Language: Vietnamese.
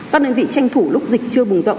các đơn vị tranh thủ lúc dịch chưa bùng rộng